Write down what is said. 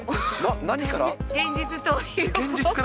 何から？